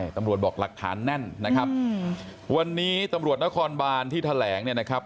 ตำรวจบอกหลักฐานแน่นนะครับวันนี้ตำรวจนครบานที่แถลงเนี่ยนะครับ